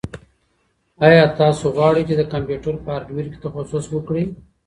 ایا تاسو غواړئ چې د کمپیوټر په هارډویر کې تخصص وکړئ؟